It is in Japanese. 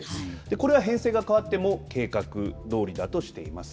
これは編成が変わっても計画どおりだとしています。